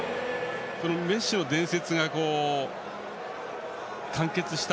メッシの伝説が完結した。